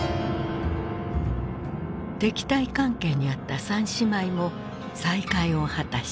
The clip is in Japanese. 敵対関係にあった三姉妹も再会を果たした。